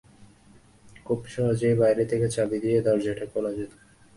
খুব সহজেই বাইরে থেকে চাবি দিয়ে দরজাটা খোলা যেত।